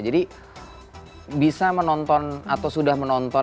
jadi bisa menonton atau sudah menonton